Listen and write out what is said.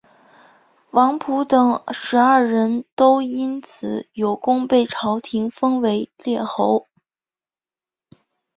王甫等十二人都因此有功被朝廷封为列侯。